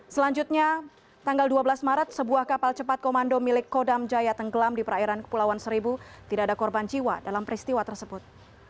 selanjutnya tanggal dua belas maret sebuah kapal cepat komando milik kodam jaya tenggelam di perairan kepulauan seribu tidak ada korban jiwa dalam peristiwa tersebut